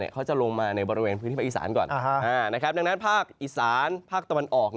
ดังนั้นภาคอีสานภาคตะวันออก